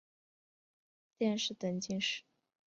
殿试登进士第二甲第三十三名。